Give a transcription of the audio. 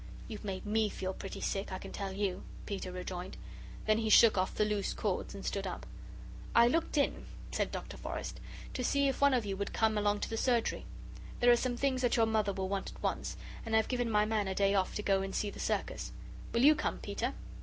"You've made ME feel pretty sick, I can tell you," Peter rejoined. Then he shook off the loose cords, and stood up. "I looked in," said Dr. Forrest, "to see if one of you would come along to the surgery. There are some things that your Mother will want at once, and I've given my man a day off to go and see the circus; will you come, Peter?"